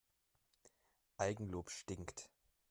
Eigenlob stinkt.